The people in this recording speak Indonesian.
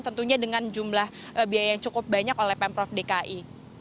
tentunya dengan jumlah biaya yang cukup banyak oleh pemprov dki